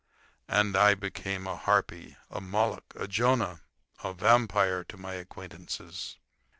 And then I became a harpy, a Moloch, a Jonah, a vampire, to my acquaintances.